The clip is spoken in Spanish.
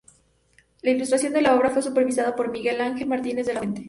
La ilustración de la obra fue supervisada por Miguel Ángel Martínez de la Fuente.